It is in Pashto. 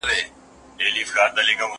زه له سهاره لوښي وچوم،